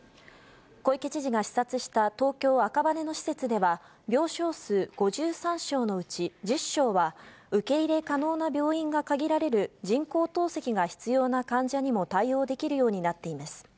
小池知事が視察した東京・赤羽の施設では、病床数５３床のうち１０床は、受け入れ可能な病院が限られる、人工透析が必要な患者にも対応できるようになっています。